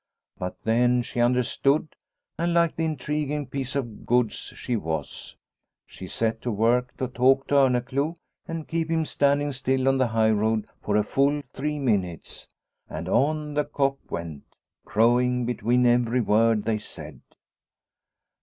But then she understood, and, like the intriguing piece of goods she was, she set to work to talk to Orneclou and keep him standing still on the high road for a full three minutes. And on the cock went, crowing between every word they said